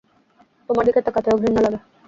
তোমার দিকে তাকাতেও ঘৃণ্যা লাগে।